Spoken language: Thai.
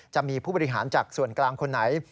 จะมีผู้บริหารจากส่วนกลางคนไหน